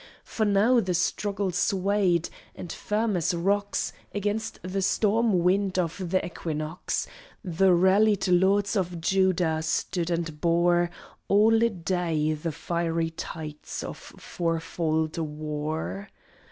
For now the struggle swayed, and, firm as rocks Against the storm wind of the equinox, The rallied lords of Judah stood and bore, All day, the fiery tides of fourfold war.